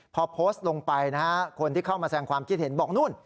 พอโพสต์ลงไปนะฮะคนที่เข้ามาแสงความคิดเห็นบอกนู่น